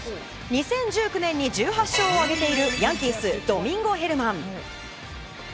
２０１９年に１８勝を挙げているヤンキース、ドミンゴ・ヘルマン。